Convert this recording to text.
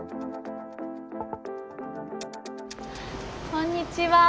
こんにちは。